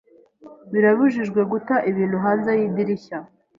Birabujijwe guta ibintu hanze yidirishya.